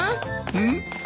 うん？